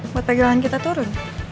buat pegangan kita turun